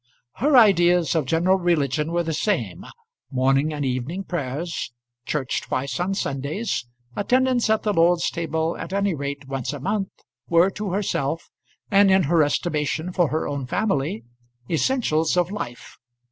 Her ideas of general religion were the same. Morning and evening prayers, church twice on Sundays, attendance at the Lord's table at any rate once a month, were to herself and in her estimation for her own family essentials of life.